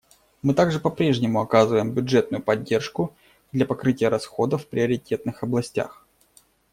Мы также по-прежнему оказываем бюджетную поддержку для покрытия расходов в приоритетных областях.